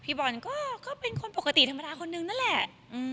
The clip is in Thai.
บอลก็เป็นคนปกติธรรมดาคนนึงนั่นแหละ